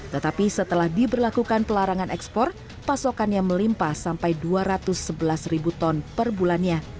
tetapi setelah diberlakukan pelarangan ekspor pasokannya melimpa sampai dua ratus sebelas ribu ton per bulannya